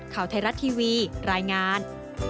ข่าวไทยรัฐทีวีรายงาน